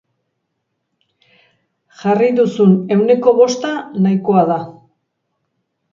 Jarri duzun ehuneko bosta nahikoa da.